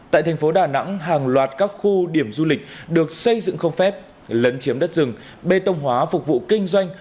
tại thành phố đà nẵng hàng loạt các khu điểm du lịch được xây dựng không phép lấn chiếm đất rừng bê tông hóa phục vụ kinh doanh